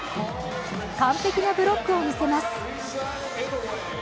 完璧なブロックを見せます。